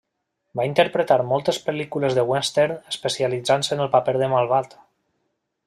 Va interpretar moltes pel·lícules de Western especialitzant-se en el paper de malvat.